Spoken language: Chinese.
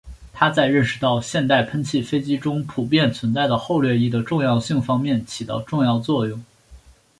他在认识到现代喷气飞机中普遍存在的后掠翼的重要性方面起到重要作用。